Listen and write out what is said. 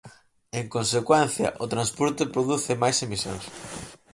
En consecuencia, o transporte produce máis emisións.